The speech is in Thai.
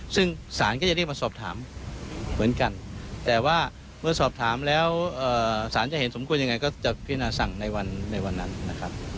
ซึ่งศาลก็จะเรียกมาสอบถามเหมือนกันแต่ว่าเมื่อสอบถามแล้วสารจะเห็นสมควรยังไงก็จะพิจารณาสั่งในวันนั้นนะครับ